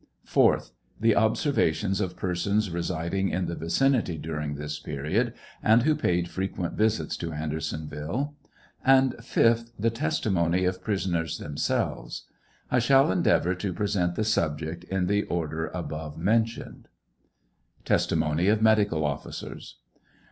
4th. The observations of persons residing in the vicinity during this period, and who paid frequent visits to Andersonville ; and 5th. The testimony of prisoners themselves. I shall endeavor to present the subject in the order above mentioned. TESTIMONY OF MEDICAL OFFICERS.